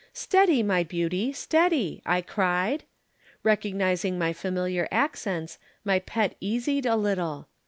"Steady, my beauty, steady!" I cried. Recognizing my familiar accents, my pet easied a little.